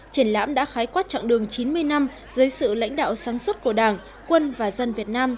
triển lãm đã khái quát chặng đường chín mươi năm dưới sự lãnh đạo sáng suốt của đảng quân và dân việt nam